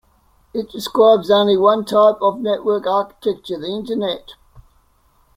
It describes only one type of network architecture, the Internet.